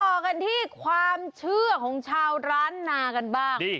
ต่อกันที่ความเชื่อของชาวล้านนากันบ้าง